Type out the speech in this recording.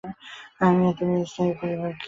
আমি আর তুমি, স্থায়ী পরিবার হয়ে?